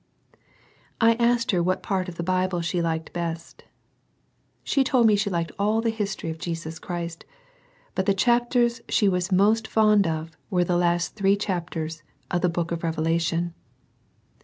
I asked her what part of the Bible she liked best. She told me she liked all the history of Jesus Christ, but the chapters she was most fond of were the three last chapters of the Book of Revelation.